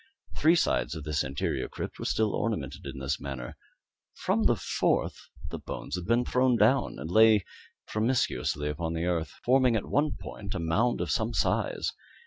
Three sides of this interior crypt were still ornamented in this manner. From the fourth side the bones had been thrown down, and lay promiscuously upon the earth, forming at one point a mound of some size.